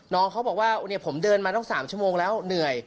น้องเขาบอกว่าผมเดินมาต้อง๓ชั่วโมงแล้วเหนื่อย